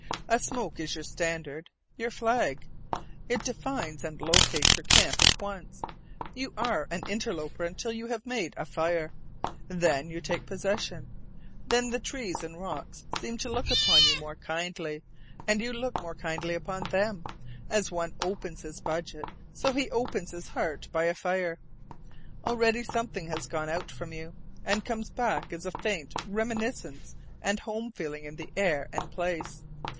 A smoke is your standard, your flag; it defines and locates your camp at once; you are an interloper until you have made a fire; then you take possession; then the trees and rocks seem to look upon you more kindly, and you look more kindly upon them. As one opens his budget, so he opens his heart by a fire. Already something has gone out from you, and comes back as a faint reminiscence and home feeling in the air and place.